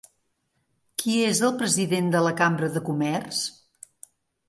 Qui és el president de la Cambra de Comerç?